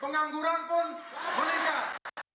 pengangguran pun meningkat